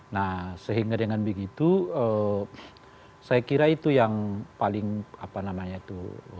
nah sehingga dengan begitu saya kira itu yang paling apa namanya itu